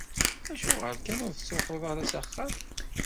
Acuɣer kan ur tettṛuḥuḍ ara s axxam?